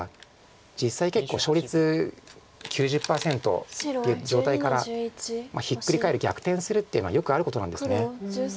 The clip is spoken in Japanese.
実際結構勝率９０％っていう状態からひっくり返る逆転するっていうのはよくあることなんです。